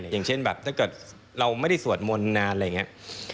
อย่างเช่นแบบถ้าเกิดเราไม่ได้สวดมนต์นานอะไรอย่างนี้